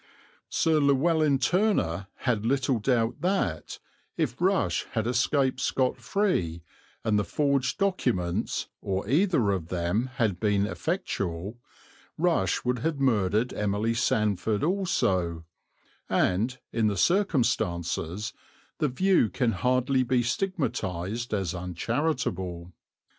Sir Llewelyn Turner had little doubt that, if Rush had escaped scot free, and the forged documents, or either of them, had been effectual, Rush would have murdered Emily Sandford also; and, in the circumstances, the view can hardly be stigmatized as uncharitable.